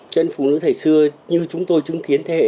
cho nên phụ nữ thời xưa như chúng tôi chứng kiến thế hệ